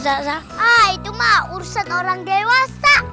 ah itu mah urusan orang dewasa